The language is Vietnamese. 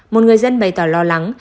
một người dân bày tỏ lo lắng